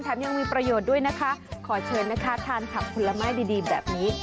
ยังมีประโยชน์ด้วยนะคะขอเชิญนะคะทานผักผลไม้ดีแบบนี้